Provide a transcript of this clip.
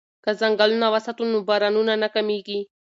که ځنګلونه وساتو نو بارانونه نه کمیږي.